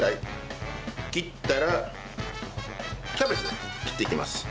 切ったらキャベツ切っていきます。